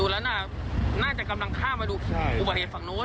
แล้วน่าจะกำลังข้ามมาดูอุบัติเหตุฝั่งนู้น